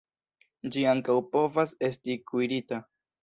Ĝi ankaŭ povas esti kuirita.